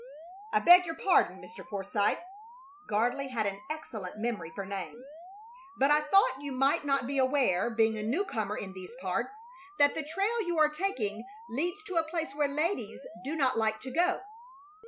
"I beg your pardon, Mr. Forsythe" Gardley had an excellent memory for names "but I thought you might not be aware, being a new comer in these parts, that the trail you are taking leads to a place where ladies do not like to go."